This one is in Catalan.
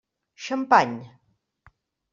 Xampany!